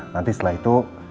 nanti setelah itu